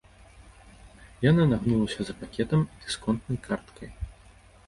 Яна нагнулася за пакетам і дысконтнай карткай.